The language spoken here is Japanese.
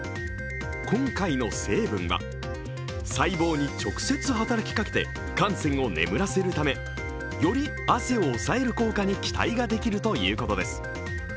今回の成分は、細胞に直接働きかけて汗腺を眠らせるためより汗を抑える効果に期待ができるということです。